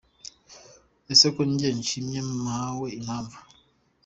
Ese ko njye nshimye mpawe impamvu